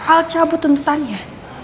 al cabut tuntutannya